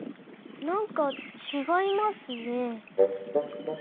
なんかちがいますね。